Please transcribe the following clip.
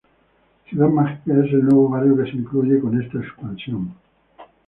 Ciudad Mágica es el nuevo barrio que se incluye con esta expansión.